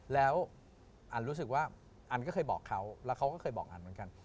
แล้วอันรู้สึกว่าอันก็เคยบอกเขาแล้วเขาก็เคยบอกอันเหมือนกัน